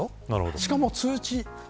しかも通知。